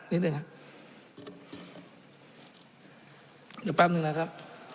อีกแป๊บหนึ่งนะครับ